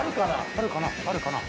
あるかな？